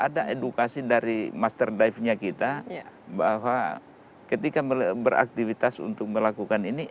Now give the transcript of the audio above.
ada edukasi dari master dive nya kita bahwa ketika beraktivitas untuk melakukan ini